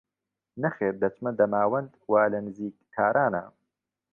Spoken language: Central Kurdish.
نەخێر دەچمە دەماوەند وا لە نیزیک تارانە